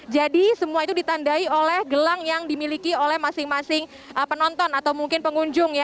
jadi semua itu ditandai oleh gelang yang dimiliki oleh masing masing penonton atau mungkin pengunjung ya